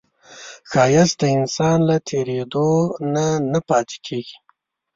ښایست د انسان له تېرېدو نه نه پاتې کېږي